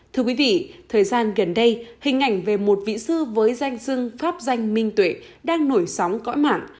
thưa quý vị thời gian gần đây hình ảnh về một vĩ sư với danh sưng pháp danh minh tuệ đang nổi sóng cõi mạng